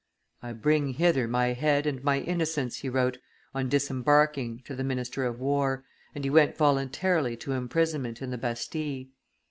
"I bring hither my head and my innocence," he wrote, on disembarking, to the minister of war, and he went voluntarily to imprisonment in the Bastille.